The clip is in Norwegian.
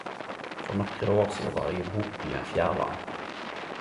For nokre år sidan var eg i bokbyen Fjærland.